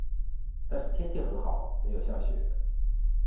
但是天气很好没有下雪